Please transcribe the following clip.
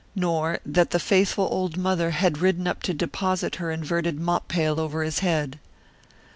nor that the faithful old mother had ridden up to deposit her inverted mop pail over his head.